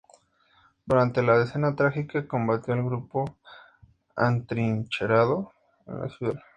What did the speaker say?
Durante la Decena Trágica combatió al grupo atrincherado en la Ciudadela.